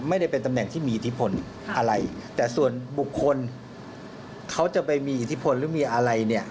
ไม่ได้เป็นตำแหน่งที่มีอิทธิพลอะไรแต่ส่วนบุคคลเขาจะไปมีอิทธิพลหรือมีอะไรเนี่ย